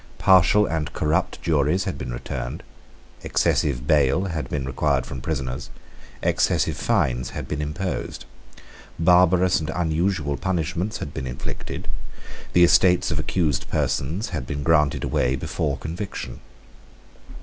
Partial and corrupt juries had been returned: excessive bail had been required from prisoners, excessive fines had been imposed: barbarous and unusual punishments had been inflicted: the estates of accused persons had been granted away before conviction.